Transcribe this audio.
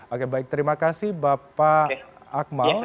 oke baik terima kasih bapak akmal